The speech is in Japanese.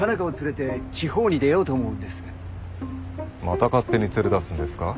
また勝手に連れ出すんですか？